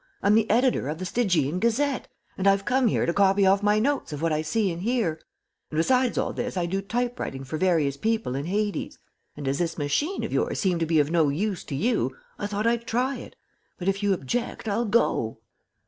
I'm the editor of the Stygian Gazette, and I've come here to copy off my notes of what I see and hear, and besides all this I do type writing for various people in Hades, and as this machine of yours seemed to be of no use to you I thought I'd try it. But if you object, I'll go."